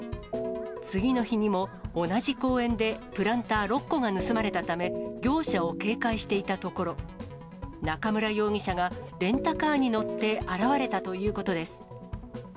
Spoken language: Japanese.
次の日にも同じ公園でプランター６個が盗まれたため、業者を警戒していたところ、中村容疑者がレンタカーに乗って現れたということです。